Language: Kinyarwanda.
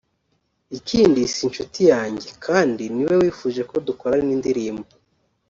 ikindi si inshuti yanjye kandi niwe wifuje ko dukorana indirimbo